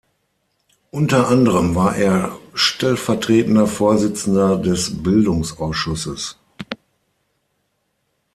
Unter anderem war er stellvertretender Vorsitzender des Bildungsausschusses.